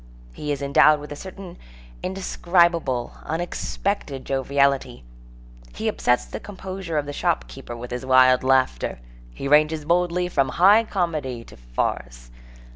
He is endowed with a certain indescribable, unexpected joviality; he upsets the composure of the shopkeeper with his wild laughter. He ranges boldly from high comedy to farce.